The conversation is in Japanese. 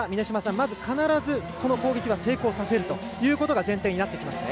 まず必ずこの攻撃は成功させるというのが前提になってきますね。